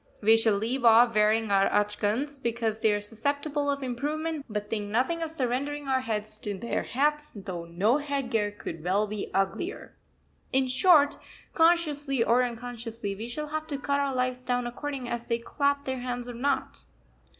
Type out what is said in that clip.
We shall leave off wearing our achgans because they are susceptible of improvement, but think nothing of surrendering our heads to their hats, though no headgear could well be uglier. In short, consciously or unconsciously, we shall have to cut our lives down according as they clap their hands or not.